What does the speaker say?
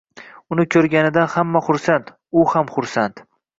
Uni koʻrganidan hamma xursand, u ham xursand